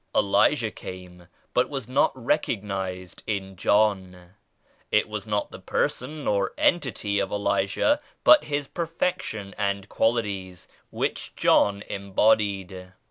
Elijah came but was not recognized in John. It was not the person or entity of Elijah but his perfection and quali ties which John embodied.